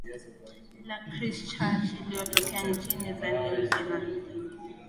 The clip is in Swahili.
la chrischurch iliyotokea nchini new zealand